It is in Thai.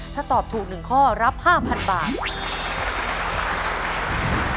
ถ้าตอบถูก๑ข้อรับ๕๐๐๐บาท